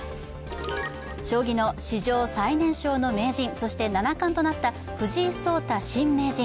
将棋の史上最年少の名人、そして七冠となった藤井聡太新名人。